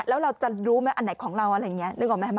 แล้วเราจะรู้ไหมอันไหนของเราอะไรอย่างนี้นึกออกไหม